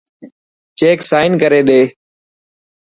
چيڪ سائن ڪري ڏي.